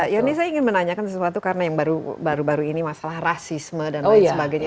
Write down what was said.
ya ini saya ingin menanyakan sesuatu karena yang baru baru ini masalah rasisme dan lain sebagainya